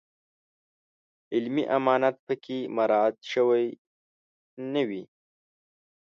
علمي امانت په کې مراعات شوی نه وي.